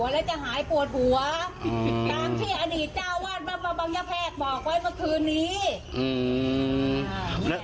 ตามที่อดีตเจ้าอาวาสบางยาแพกบอกไว้เมื่อคืนนี้